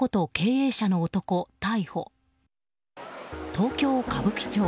東京・歌舞伎町。